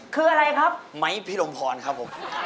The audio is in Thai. คืออะไรครับ